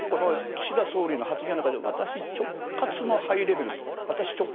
岸田総理の発言の中で私直轄のハイレベルと。